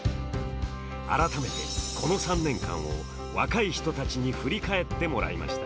改めて、この３年間を若い人たちに振り返ってもらいました。